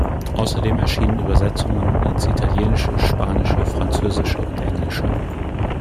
Außerdem erschienen Übersetzungen ins Italienische, Spanische, Französische und Englische.